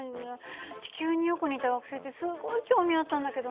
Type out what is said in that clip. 地球によく似た惑星ってすごい興味あったんだけどな。